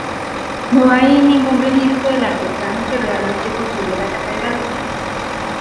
No hay ningún registro del artesano que realmente construyó la catedral.